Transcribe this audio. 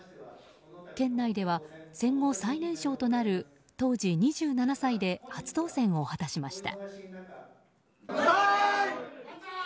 県内では戦後最年少となる当時２７歳で初当選を果たしました。